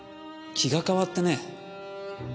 気が変わってね。